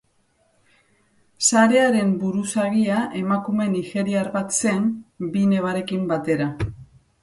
Sarearen buruzagia emakume nigeriar bat zen, bi nebarekin batera.